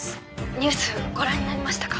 ☎ニュースご覧になりましたか？